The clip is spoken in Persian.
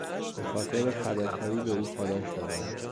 به خاطر فداکاری به او پاداش دادند.